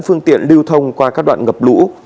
phương tiện lưu thông qua các đoạn ngập lũ